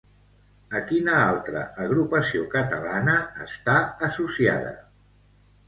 A quina altra agrupació catalana està associada?